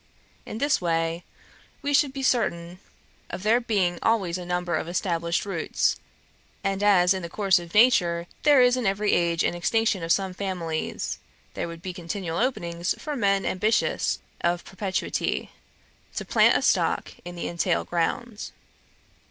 In this way we should be certain of there being always a number of established roots; and as in the course of nature, there is in every age an extinction of some families, there would be continual openings for men ambitious of perpetuity, to plant a stock in the entail ground.'